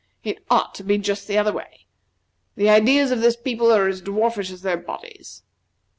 It ought to be just the other way. The ideas of this people are as dwarfish as their bodies."